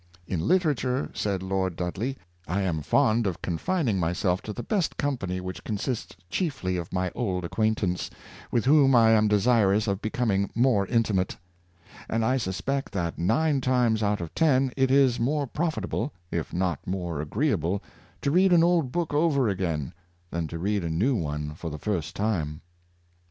" In literature," said Lord Dudley, '' I am fond of confining myself to the best company which consists chiefly of my old acquaintance, with whom I am desirous of becoming more intimate; and I suspect that nine times out of ten it is more profitable, if not more agreeable to read an old book over again, than to read a new one for the first time."